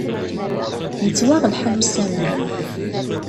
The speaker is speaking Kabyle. Yettwaɣ lḥal ussan-a.